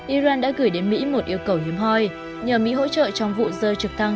iran đã gửi đến mỹ một yêu cầu hiếm hoi nhờ mỹ hỗ trợ trong vụ rơi trực thăng